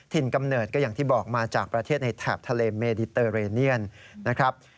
กำเนิดก็อย่างที่บอกมาจากประเทศในแถบทะเลเมดิเตอร์เรเนียนนะครับ